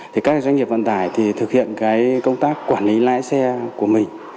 thì các doanh nghiệp vận tải thì thực hiện cái công tác quản lý lái xe của mình